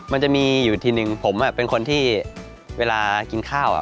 มันจะมีอยู่ทีนึงผมเป็นคนที่เวลากินข้าว